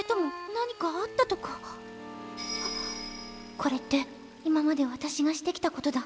これって今まで私がしてきたことだ。